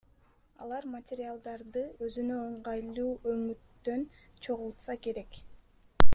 Алар материалдарды өзүнө ыңгайлуу өңүттөн чогултса керек.